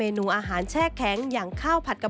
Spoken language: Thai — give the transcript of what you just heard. เป็นอย่างไรนั้นติดตามจากรายงานของคุณอัญชาฬีฟรีมั่วครับ